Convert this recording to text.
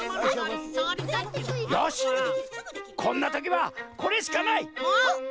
よしこんなときはこれしかない！あっ？